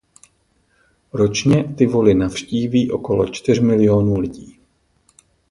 Ročně Tivoli navštíví okolo čtyř milionů lidí.